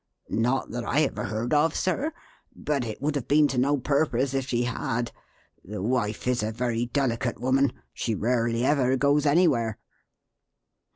"Not that I ever heard of, sir. But it would have been to no purpose if she had. The wife is a very delicate woman; she rarely ever goes anywhere."